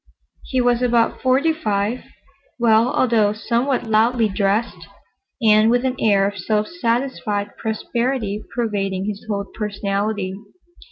He was about forty five, well, although somewhat loudly dressed, and with an air of self satisfied prosperity pervading his whole personality.